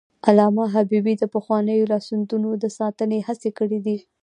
علامه حبيبي د پخوانیو لاسوندونو د ساتنې هڅې کړي.